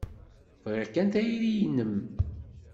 Bɣiɣ kan tayri-nnem.